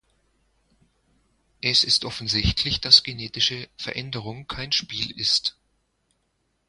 Es ist offensichtlich, dass genetische Veränderung kein Spiel ist.